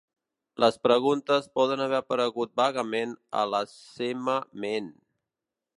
Les preguntes poden haver aparegut vagament a la sema ment.